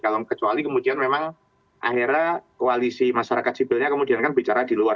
kalau kecuali kemudian memang akhirnya koalisi masyarakat sipilnya kemudian kan bicara di luar